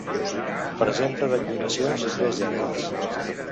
Presenta declinacions i tres gèneres.